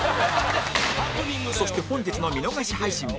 そして本日の見逃し配信も